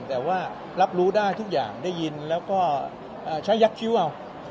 แต่ว่ารับรู้ได้ทุกอย่างได้ยินแล้วก็ใช้ยักษิ้วเอา